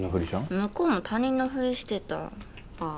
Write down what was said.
向こうも他人のフリしてたああ